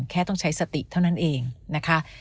แค่ต้องใช้สติเท่านั้นเองนะคะ